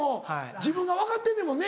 自分が分かってんねんもんね。